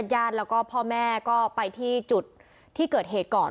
ญาติแล้วก็พ่อแม่ก็ไปที่จุดที่เกิดเหตุก่อน